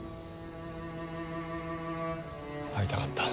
会いたかった。